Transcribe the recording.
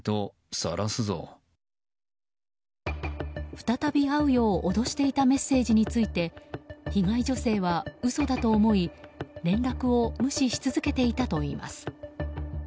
再び会うよう脅していたメッセージについて被害女性は嘘だと思い、連絡を無視し続けていたといいます。